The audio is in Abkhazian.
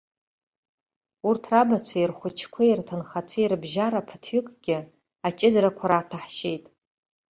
Урҭ, рабацәеи, рхәыҷқәеи, рҭынхацәеи рыбжьара ԥыҭҩыкгьы, аҷыдарақәа раҭәаҳшьеит.